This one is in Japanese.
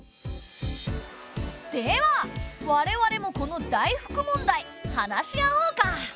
では我々もこの大福問題話し合おうか。